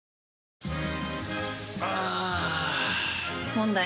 問題。